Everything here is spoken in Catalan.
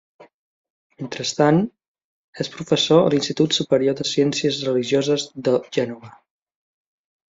Mentrestant, és professor a l'Institut Superior de Ciències religioses de Gènova.